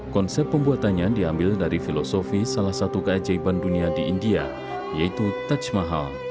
konsep pembuatannya diambil dari filosofi salah satu keajaiban dunia di india yaitu tajmahal